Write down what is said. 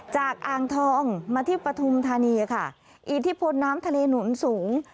อ่างทองมาที่ปฐุมธานีค่ะอิทธิพลน้ำทะเลหนุนสูง